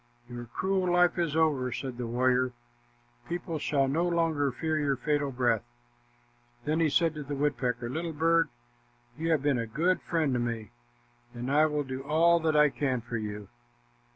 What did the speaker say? "Your cruel life is over," said the warrior. "People shall no longer fear your fatal breath." Then he said to the woodpecker, "Little bird, you have been a good friend to me, and I will do all that I can for you."